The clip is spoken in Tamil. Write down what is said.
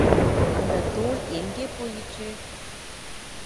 அந்தத் தூள் எங்கே போயிற்று?